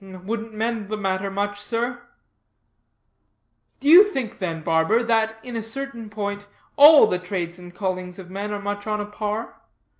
"Wouldn't mend the matter much, sir." "Do you think, then, barber, that, in a certain point, all the trades and callings of men are much on a par?